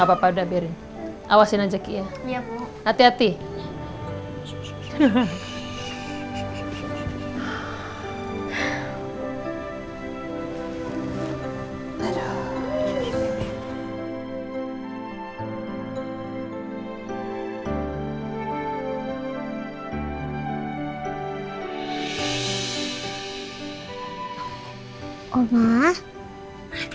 ya allah aku ingin pulang ya allah